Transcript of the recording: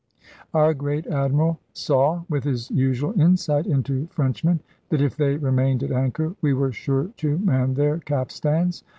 Our great Admiral saw, with his usual insight into Frenchmen, that if they remained at anchor we were sure to man their capstans.